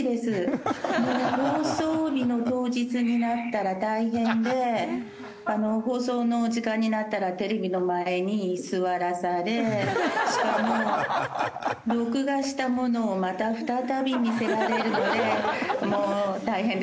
もう放送日の当日になったら大変で放送の時間になったらテレビの前に座らされしかも録画したものをまた再び見せられるのでもう大変です。